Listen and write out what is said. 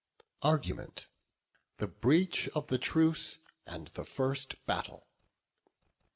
ARGUMENT. THE BREACH OF THE TRUCE, AND THE FIRST BATTLE.